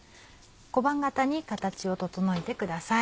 小判形に形を整えてください。